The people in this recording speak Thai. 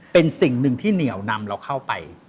เป็นสิ่งหนึ่งที่เหนียวนำเราเข้าไป